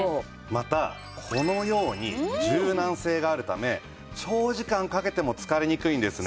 またこのように柔軟性があるため長時間かけても疲れにくいんですね。